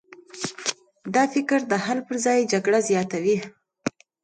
دا فکر د حل پر ځای جګړه زیاتوي.